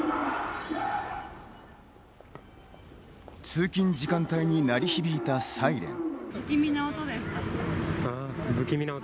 通勤時間帯に鳴り響いたサイレン。